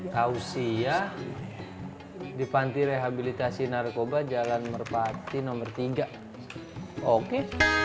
tausia di panti rehabilitasi narkoba jalan merpati nomor tiga oke